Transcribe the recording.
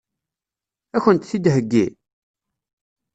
Ad kent-t-id-theggi?